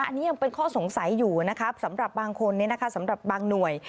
อันนี้ยังเป็นข้อสงสัยอยู่นะครับสำหรับบางคนสำหรับบางหน่วย